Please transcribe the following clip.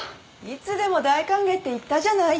いつでも大歓迎って言ったじゃない？